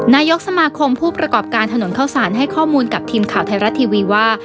นายกสมาคมผู้ประกอบการถนนเข้าสารให้ข้อมูลกับทีมข่าวไทยรัฐทีวีว่า